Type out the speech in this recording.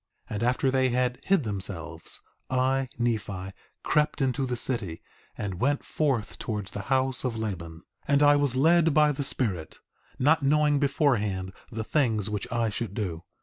And after they had hid themselves, I, Nephi, crept into the city and went forth towards the house of Laban. 4:6 And I was led by the Spirit, not knowing beforehand the things which I should do.